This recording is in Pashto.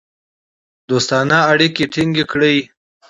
دوستانه اړیکې ټینګ کړې.